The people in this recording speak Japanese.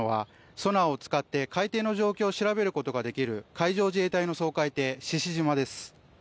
ソナーを使って海底の状況を調べることができる海上自衛隊の掃海艇ししじまです。